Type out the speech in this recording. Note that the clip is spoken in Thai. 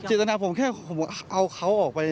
เจตนาผมแค่เอาเขาออกไป